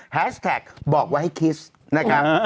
แฮชแท็กบอกว่าให้คิดนะครับ